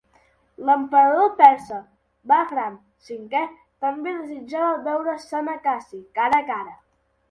L'emperador persa Bahram V també desitjava veure Sant Acaci cara a cara.